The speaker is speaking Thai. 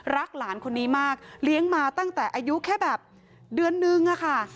หลานคนนี้มากเลี้ยงมาตั้งแต่อายุแค่แบบเดือนนึงอะค่ะ